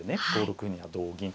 ５六歩には同銀。